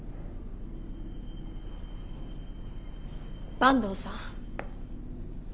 坂東さん。